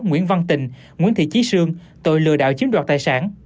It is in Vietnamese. nguyễn văn tình nguyễn thị trí sương tội lừa đảo chiếm đoạt tài sản